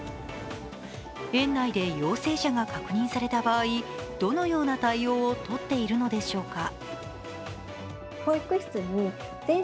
園内で陽性者が確認された場合、どのような対応を取っているのでしょうか。